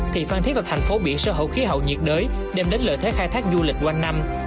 thì phan thiết là thành phố biển sơ hậu khí hậu nhiệt đới đem đến lợi thế khai thác du lịch quanh năm